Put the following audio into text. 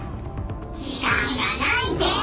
「時間がないデス！